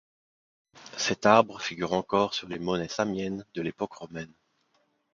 Cet arbre figure encore sur les monnaies samiennes de l'époque romaine.